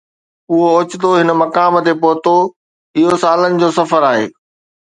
اهو اوچتو هن مقام تي نه پهتو، اهو سالن جو سفر آهي.